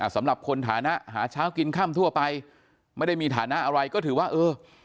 สำหรับคนฐานะหาเช้ากินค่ำทั่วไปไม่ได้มีฐานะอะไรก็ถือว่าเออ